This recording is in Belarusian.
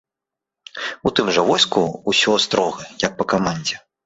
У тым жа войску ўсё строга, як па камандзе.